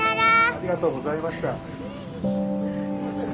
ありがとうございます。